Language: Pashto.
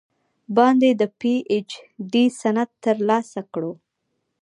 باندې د پې اي چ ډي سند تر السه کړو ۔